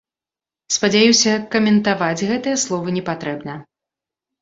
Спадзяюся, каментаваць гэтыя словы не патрэбна.